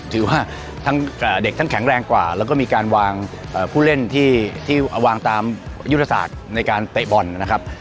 ถือว่าทั้งเด็กทั้งแข็งแรงกว่าแล้วก็มีการวางผู้เล่นที่วางตามยุทธศาสตร์ในการเตะบอลนะครับ